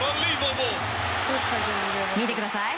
見てください。